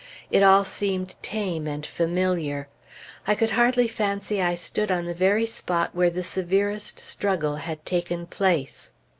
It all seemed tame and familiar. I could hardly fancy I stood on the very spot where the severest struggle had taken place.